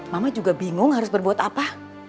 mama juga bingung harus berbuat apa